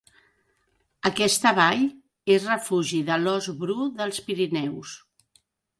Aquesta vall és refugi de l'ós bru dels Pirineus.